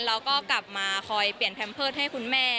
เราก็กลับมาคอยเปลี่ยนแพมเพิร์ตให้คุณแม่